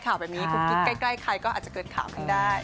ข่าวแบบนี้คุณกิ๊กใกล้ใครก็อาจจะเกิดข่าวขึ้นได้